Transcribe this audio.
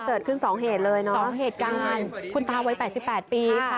เกิดขึ้นสองเหตุเลยเนาะ๒เหตุการณ์คุณตาวัย๘๘ปีค่ะ